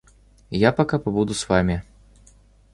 Я пока побуду с вами.